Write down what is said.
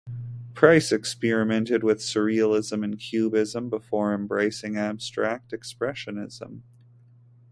Price experimented with Surrealism and Cubism before embracing Abstract Expressionism.